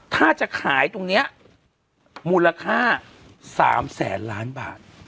ถ้าจะขายตรงเนี้ยมูลค่า๓แสนบาท